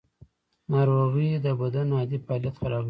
ناروغي د بدن عادي فعالیت خرابوي.